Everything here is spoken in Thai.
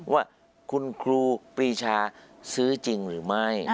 ว่าคุณครูปรีชาซื้อจริงหรือไม่